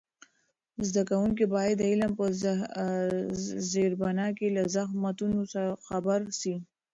زده کوونکي باید د علم په زېربنا کې له زحمتونو خبر سي.